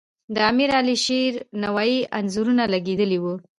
د امیر علیشیر نوایي انځورونه لګیدلي وو.